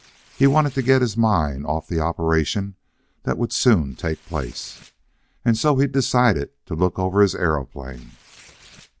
He wanted to get his mind off the operation that would soon take place, and so he decided to look over his aeroplane.